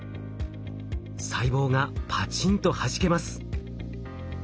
細胞がパチンとはじけます。